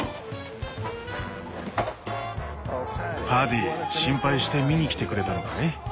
パディ心配して見に来てくれたのかい？